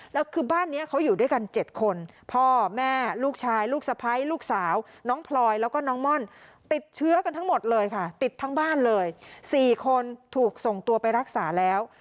แล้วคือบ้านนี้เขาอยู่ด้วยกัน๗คนพ่อแม่ลูกชายลูกสะพ้ายลูกสาวน้องพลอยแล้วก็น้องม่อนติดเชื้อกันทั้งหมดเลยค่ะติดทั้งบ้านเลย๔คนถูกส่งตัวไปรักษาแล้ว